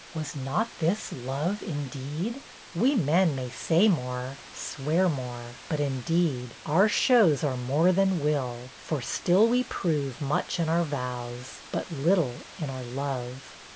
Was not this love, indeed ? We men may say more, swear more: but indeed Our shows are more than will; for still we prove Much in our vows, but little in our love.